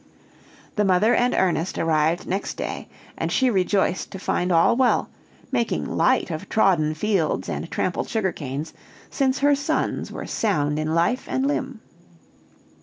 The mother and Ernest arrived next day, and she rejoiced to find all well, making light of trodden fields and trampled sugar canes, since her sons were sound in life and limb.